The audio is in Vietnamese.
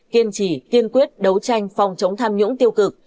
kiên trì kiên quyết đấu tranh phòng chống tham nhũng tiêu cực